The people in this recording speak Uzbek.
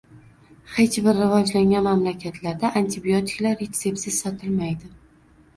Hech bir rivojlangan mamlakatda antibiotiklar retseptsiz sotilmaydi!